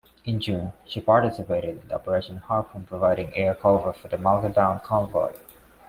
In June, she participated in Operation Harpoon, providing air cover for the Malta-bound convoy.